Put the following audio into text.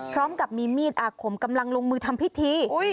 พร้อมกับมีมีดอาคมกำลังลงมือทำพิธี